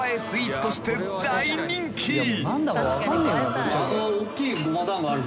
スイーツとして大人気］